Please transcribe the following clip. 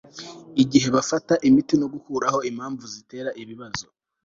igihe bafata imiti no gukuraho impamvu zitera ibibazo